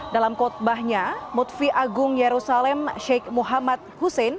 dalam kotbahnya mutfi agung yerusalem sheikh muhammad hussein